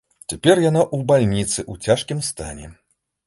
Цяпер яна ў бальніцы ў цяжкім стане.